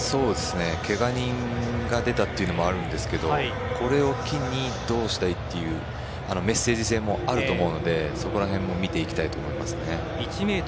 けが人が出たというのもあるんですけどこれを機に、どうしたいっていうメッセージ性もあると思うので、そこら辺も見ていきたいと思います。